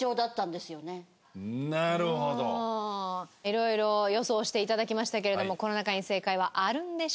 色々予想して頂きましたけれどもこの中に正解はあるんでしょうか？